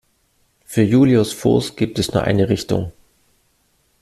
Für Julius Voß gibt es nur eine Richtung.